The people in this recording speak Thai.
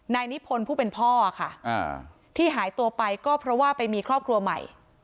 นายนิพนธ์ผู้เป็นพ่อค่ะที่หายตัวไปก็เพราะว่าไปมีครอบครัวใหม่